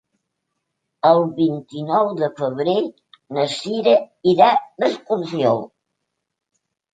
El vint-i-nou de febrer na Cira irà d'excursió.